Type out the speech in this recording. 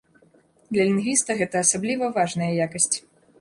Для лінгвіста гэта асабліва важная якасць.